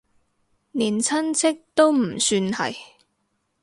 連親戚都唔算係